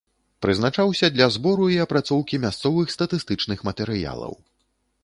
Прызначаўся для збору і апрацоўкі мясцовых статыстычных матэрыялаў.